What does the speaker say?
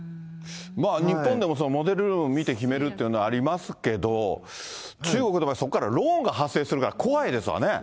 日本でもモデルルーム見て決めるっていうのはありますけど、中国の場合、そこからローンが発生するから怖いですわね。